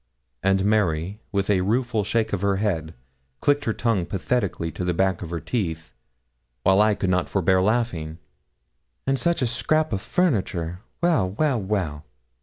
And Mary, with a rueful shake of her head, clicked her tongue pathetically to the back of her teeth, while I could not forbear laughing. 'And such a scrap o' furniture! Well, well, well!'